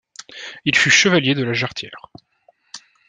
Il fut chevalier de la Jarretière.